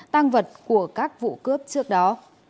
tăng vật của các vụ cướp trước đó